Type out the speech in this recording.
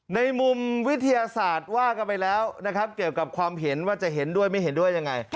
ในมุมวิทยาศาสตร์ว่ากันไปแล้วนะครับเกี่ยวกับความเห็นว่าจะเห็นด้วยไม่เห็นด้วยยังไง